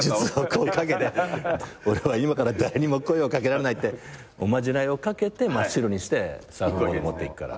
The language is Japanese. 俺は今から誰にも声を掛けられないっておまじないをかけて真っ白にしてサーフボード持っていくから。